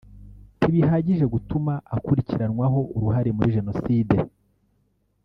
ntibihagije gutuma akurikiranwaho uruhare muri Jenoside